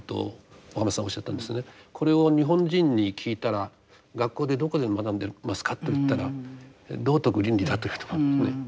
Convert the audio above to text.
これを日本人に聞いたら学校でどこで学んでますかと言ったら道徳・倫理だと言うと思うんですね。